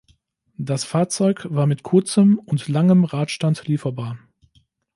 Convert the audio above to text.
Das Fahrzeug war mit kurzem und langem Radstand lieferbar.